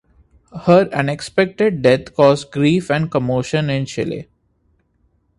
Her unexpected death caused grief and commotion in Chile.